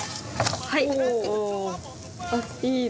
はい。